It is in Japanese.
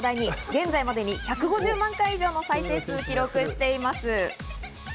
現在までに１５０万回以上の再生数を記録しています。